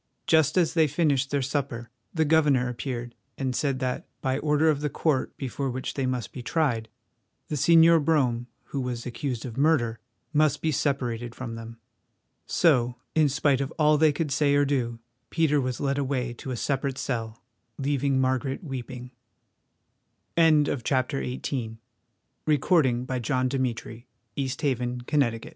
Just as they finished their supper the governor appeared and said that, by order of the Court before which they must be tried, the Señor Brome, who was accused of murder, must be separated from them. So, in spite of all they could say or do, Peter was led away to a separate cell, leaving Margaret weeping. CHAPTER XIX. BETTY PAYS HER DEBTS. Betty Dene was not a woman afflicted with fears